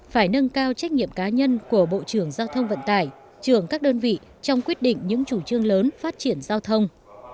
phải nâng cao trách nhiệm cá nhân của bộ trưởng giao thông vận tải trưởng các đơn vị trong quyết định những chủ trương lớn phát triển giao thông